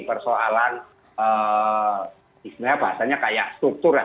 persoalan bahasanya kayak struktur lah